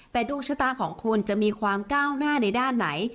แต่ดวงชะตาของคุณจะมีความก้าวหน้าในด้านไหน